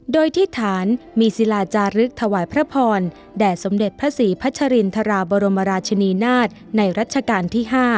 โดยที่ฐานมีศิลาจารึกถวายพระพรแด่สมเด็จพระศรีพัชรินทราบรมราชนีนาฏในรัชกาลที่๕